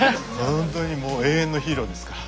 ほんとにもう永遠のヒーローですから。